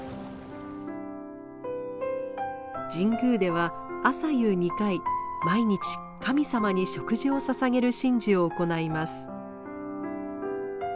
神宮では朝夕２回毎日神様に食事をささげる神事を行います。